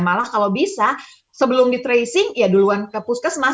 malah kalau bisa sebelum di tracing ya duluan ke puskesmas